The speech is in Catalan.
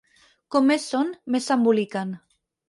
Com més són, més s'emboliquen.